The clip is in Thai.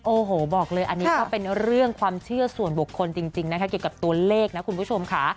โอ้โหบอกเลยอันนี้ก็เป็นเรื่องความเชื่อส่วนบุคคลจริงนะคะเกี่ยวกับตัวเลขนะคุณผู้ชมค่ะ